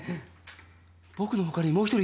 僕のほかにもう一人いたよね？